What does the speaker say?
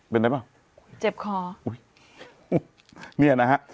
เป็นไรเปล่าเนี่ย